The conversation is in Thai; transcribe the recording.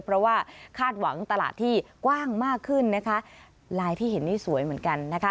เพราะว่าคาดหวังตลาดที่กว้างมากขึ้นนะคะลายที่เห็นนี่สวยเหมือนกันนะคะ